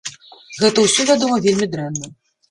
Гэта ўсё, вядома, вельмі дрэнна.